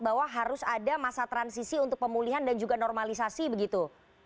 bahwa harus ada masa transisi untuk pemulihan dan juga normalisasi begitu